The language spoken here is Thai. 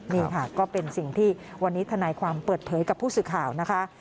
นี่ค่ะก็เป็นสิ่งที่วันนี้ทนายความเปิดเผยกับผู้สื่อข่าวนะคะ